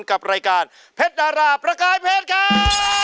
กับรายการเพชรดาราประกายเพชรครับ